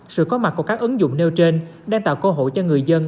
sự có mặt của các ứng dụng nêu trên đang tạo cơ hội cho người dân